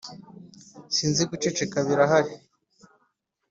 sinzira! guceceka birahari,